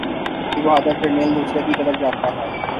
ایک بہادر جرنیل دوسرے کی قدر جانتا ہے